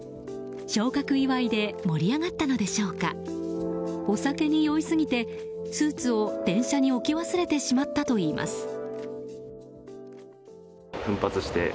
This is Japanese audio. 昇格祝いで盛り上がったのでしょうかお酒に酔いすぎて、スーツを電車に置き忘れてしまったといいます。